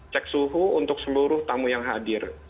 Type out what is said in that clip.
cek suhu untuk seluruh tamu yang hadir